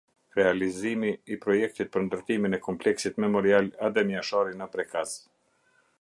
Realizimi i projektit për ndërtimin e Kompleksit Memorial “Adem Jashari” në Prekaz.